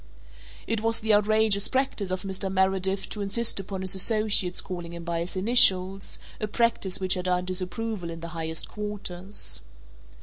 It was the outrageous practice of Mr. Meredith to insist upon his associates calling him by his initials, a practice which had earnt disapproval in the highest quarters.